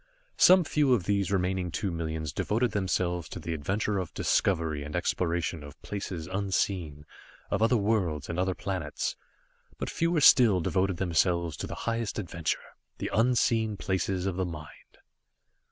Some few of these remaining two millions devoted themselves to the adventure of discovery and exploration of places unseen, of other worlds and other planets. But fewer still devoted themselves to the highest adventure, the unseen places of the mind.